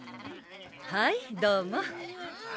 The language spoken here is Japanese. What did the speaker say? はいどうも。